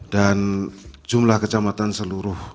dan jumlah kecamatan seluruh